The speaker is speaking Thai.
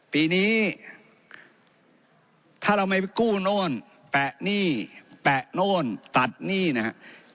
ปีนี้ถ้าเราไม่ไปกู้โน่นแปะหนี้แปะโน่นตัดหนี้นะครับ